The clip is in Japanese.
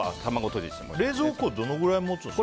冷蔵庫、どのくらい持ちますか。